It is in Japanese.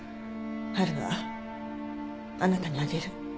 波琉はあなたにあげる。